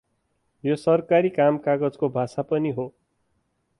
यो सरकारी कामकाजको भाषा पनि हो ।